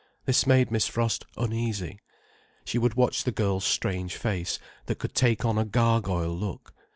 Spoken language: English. This made Miss Frost uneasy. She would watch the girl's strange face, that could take on a gargoyle look.